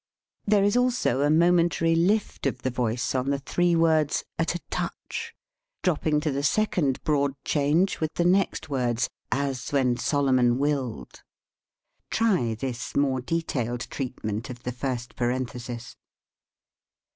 There is also 49 THE SPEAKING VOICE a momentary lift of the voice on the three words "at a touch," dropping to the second broad change with the next words, "as when Solomon willed." Try this more detailed treatment of the first parenthesis.